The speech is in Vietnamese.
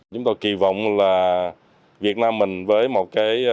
chúng tôi kỳ vọng là việt nam mình với một cái